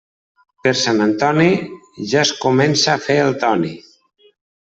Per Sant Antoni ja es comença a fer el Toni.